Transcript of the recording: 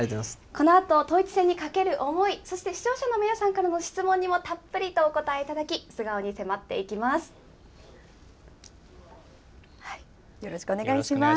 このあと、統一戦にかける思い、そして視聴者の皆さんからの質問にもたっぷりとお答えいただよろしくお願いします。